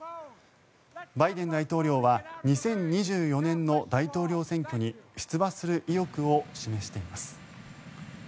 バイデン大統領は２０２４年の大統領選挙に出馬する意欲を示しています。